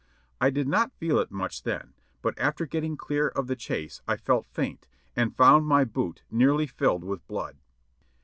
I did not feel it much then, but after getting clear of the chase I felt faint, and found my boot nearly filled with blood.